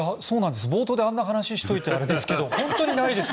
冒頭であんな話しておいてあれですけど本当にないです。